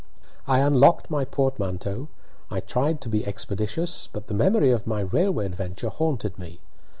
I unlocked my portmanteau. I tried to be expeditious, but the memory of my railway adventure haunted me.